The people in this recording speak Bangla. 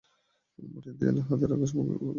মাটির দেয়ালে হাত রেখে রেখে সে সম্মুখে অগ্রসর হতে থাকে।